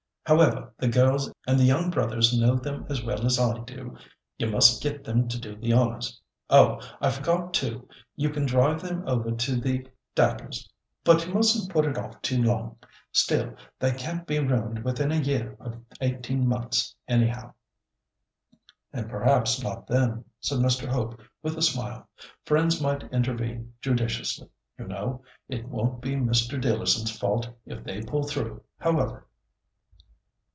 However, the girls and the young brothers know them as well as I do; you must get them to do the honours. Oh! I forgot, too—you can drive them over to the Dacres'. But you mustn't put it off too long. Still, they can't be ruined within a year or eighteen months, anyhow." "And perhaps not then," said Mr. Hope, with a smile. "Friends might intervene judiciously, you know. It won't be Mr. Dealerson's fault if they pull through, however."